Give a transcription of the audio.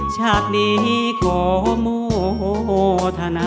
ชาตินี้ขอโมธนา